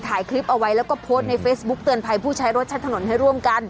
ถ่ายคลิปเอาไว้แล้วก็โพสต์ในเฟซบุ๊กเตือนภัยผู้ใช้รถใช้ถนนให้ร่วมกัน